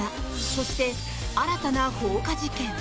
そして、新たな放火事件。